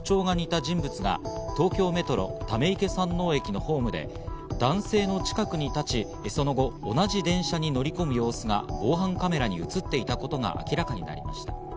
この男と特徴が似た人物が東京メトロ溜池山王駅のホームで男性の近くに立ち、その後、同じ電車に乗り込む様子が防犯カメラに映っていたことが明らかになりました。